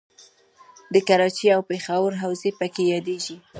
د کراچۍ او پېښور حوزې پکې یادیږي.